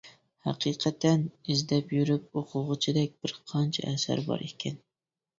ھەقىقەتەن ئىزدەپ يۈرۈپ ئوقۇغۇچىدەك بىر قانچە ئەسەر بار ئىكەن.